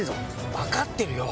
分かってるよ！